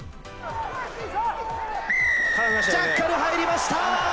ジャッカル、入りました。